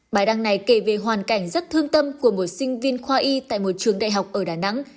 bài đăng này kể về hoàn cảnh rất thương tâm của một sinh viên khoa y tại một trường đại học ở đà nẵng